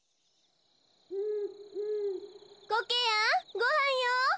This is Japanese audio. ・コケヤンごはんよ。